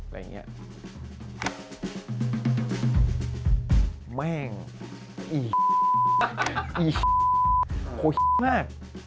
แม่งอีโหมาก